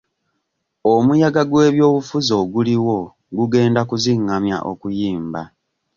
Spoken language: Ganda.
Omuyaga gw'ebyobufuzi oguliwo gugenda kuzingamya okuyimba.